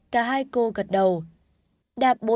cả hai cô gật đầu